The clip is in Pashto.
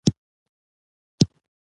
پنېر په شوق سره خوړل کېږي.